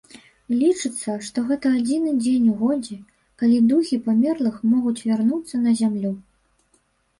Лічыцца, што гэта адзіны дзень у годзе, калі духі памерлых могуць вярнуцца на зямлю.